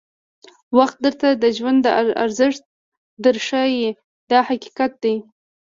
وخت درته د ژوند ارزښت در ښایي دا حقیقت دی.